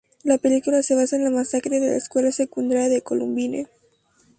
La película se basa en la masacre de la Escuela Secundaria de Columbine.